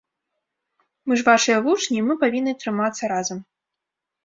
Мы ж вашыя вучні, і мы павінны трымацца разам.